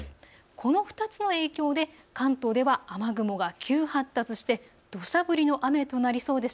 この２つの影響で関東では雨雲が急に発達してどしゃ降りの雨となりそうです。